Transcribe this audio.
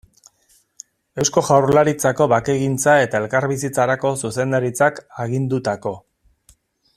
Eusko Jaurlaritzako Bakegintza eta Elkarbizitzarako Zuzendaritzak agindutako.